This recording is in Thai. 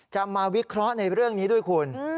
จะมาวิเคราะห์ในเรื่องนี้ด้วยคุณ